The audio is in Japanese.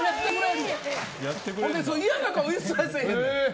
嫌な顔、一切せえへんねん。